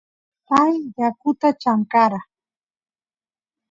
pay yakuta chamkara